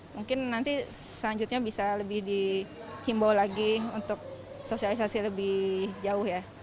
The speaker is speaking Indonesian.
mungkin nanti selanjutnya bisa lebih dihimbau lagi untuk sosialisasi lebih jauh ya